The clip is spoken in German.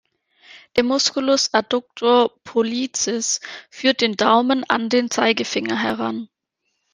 Der Musculus adductor pollicis führt den Daumen an den Zeigefinger heran.